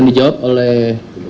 akan dijawab oleh